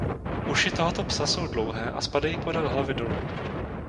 Uši tohoto psa jsou dlouhé a spadají podél hlavy dolů.